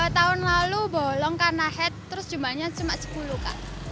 tahun lalu bolong karena head terus jumlahnya cuma sepuluh kak